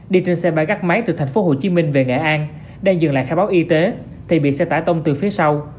đi trên xe bay gắt máy từ thành phố hồ chí minh về nghệ an đang dừng lại khai báo y tế thì bị xe tải tông từ phía sau